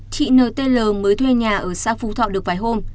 chị ntl mới thuê nhà ở xa phú thọ được vài hôm